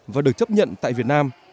và được chấp nhận tại việt nam